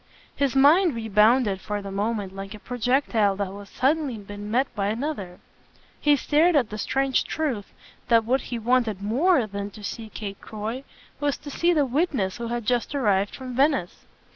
His mind rebounded for the moment like a projectile that has suddenly been met by another: he stared at the strange truth that what he wanted MORE than to see Kate Croy was to see the witness who had just arrived from Venice.